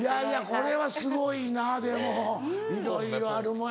これはすごいなでもいろいろあるもんや。